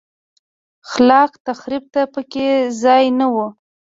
خلاق تخریب ته په کې ځای نه و.